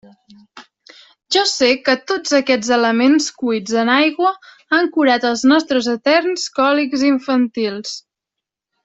Jo sé que tots aquests elements cuits en aigua han curat els nostres eterns còlics infantils.